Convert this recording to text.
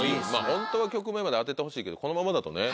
ホントは曲名まで当ててほしいけどこのままだとね。